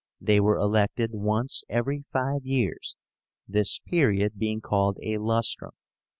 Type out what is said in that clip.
They were elected once every five years, this period being called a lustrum.